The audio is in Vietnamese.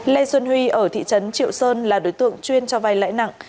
lê xuân huy ở thị trấn triệu sơn là đối tượng chuyên cho vay lãi nặng